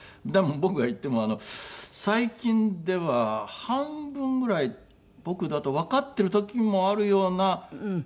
僕が行っても最近では半分ぐらい僕だとわかっている時もあるような。